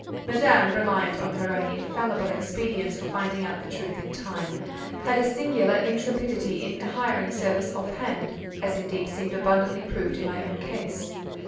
Madame—reliant on her own infallible expedients for finding out the truth in time—had a singular intrepidity in hiring service off hand (as indeed seemed abundantly proved in my own case).